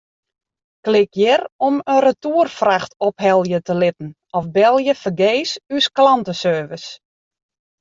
Klik hjir om in retoerfracht ophelje te litten of belje fergees ús klanteservice.